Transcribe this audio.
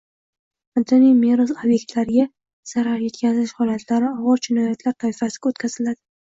Madaniy meros ob’ektlariga zarar yetkazish holatlari og‘ir jinoyatlar toifasiga o‘tkazilading